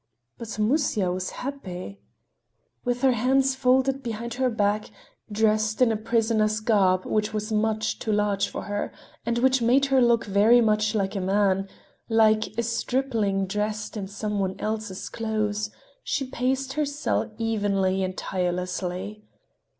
But Musya was happy. With her hands folded behind her back, dressed in a prisoner's garb which was much too large for her, and which made her look very much like a man—like a stripling dressed in some one else's clothes—she paced her cell evenly and tirelessly.